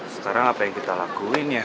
sekarang apa yang kita lakuin ya